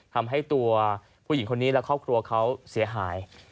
ทำให้ตัวผู้หญิงคนนี้และครอบครัวเขาเสียหาย